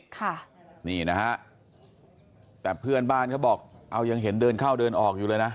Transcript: ค่ะนี่นะฮะแต่เพื่อนบ้านเขาบอกเอายังเห็นเดินเข้าเดินออกอยู่เลยนะ